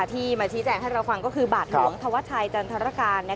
ที่มาชี้แจงให้เราฟังก็คือบาทหลวงธวัชชัยจันทรการ